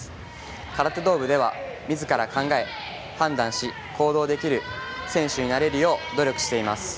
空手道部では、みずから考え判断し、行動できる選手になれるよう努力しています。